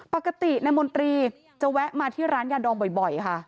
ปกตินายมนตรีจะแวะมาที่ร้านยาดองบ่อยค่ะ